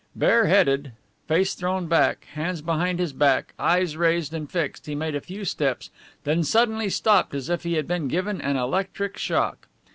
Bare headed, face thrown back, hands behind his back, eyes raised and fixed, he made a few steps, then suddenly stopped as if he had been given an electric shock.